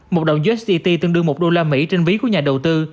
một đồng usdt tương đương một đô la mỹ trên ví của nhà đầu tư